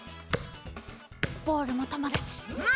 ボールもともだち。